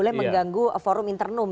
boleh mengganggu forum internum